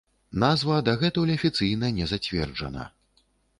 Назва дагэтуль афіцыйна не зацверджана.